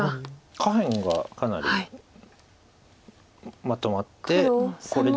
下辺がかなりまとまってこれで。